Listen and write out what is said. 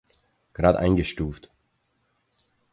Grad eingestuft.